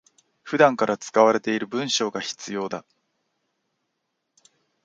普段から使われている文章が必要だ